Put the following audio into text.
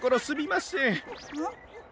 ん？